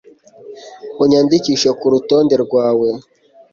unyandikishe kurutonde rwawe